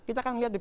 kita kan lihat tuh